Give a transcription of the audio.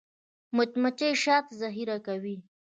مچمچۍ شات ذخیره کوي